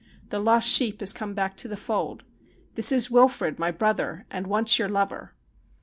The lost sheep has come back to the fold. This is Wilfrid, my brother, and once your lover.'